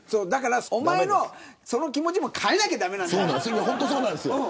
おまえのその気持ちも変えなきゃ駄目なんだよ。